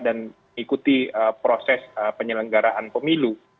dan ikuti proses penyelenggaraan pemilu